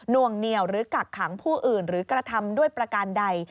วงเหนียวหรือกักขังผู้อื่นหรือกระทำด้วยประการใด